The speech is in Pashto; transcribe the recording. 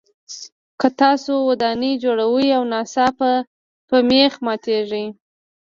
که تاسو ودانۍ جوړوئ او ناڅاپه مېخ ماتیږي.